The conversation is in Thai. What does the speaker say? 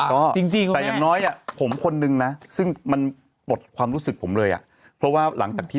ก็จริงแต่อย่างน้อยอ่ะผมคนนึงนะซึ่งมันปลดความรู้สึกผมเลยอ่ะเพราะว่าหลังจากที่